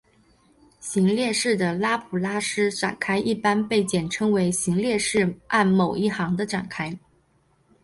行列式的拉普拉斯展开一般被简称为行列式按某一行的展开。